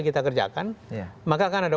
kita kerjakan maka akan ada